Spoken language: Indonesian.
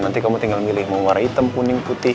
nanti kamu tinggal milih mau warna hitam kuning putih